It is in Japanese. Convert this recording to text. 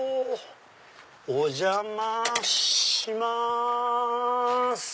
お邪魔します！